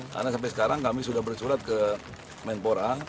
karena sampai sekarang kami sudah bersurat ke kemenpora